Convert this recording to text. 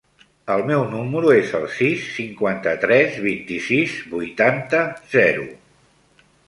El meu número es el sis, cinquanta-tres, vint-i-sis, vuitanta, zero.